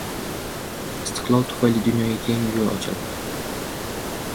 Istiqlol tufayli dunyoga keng yo‘l ochildi.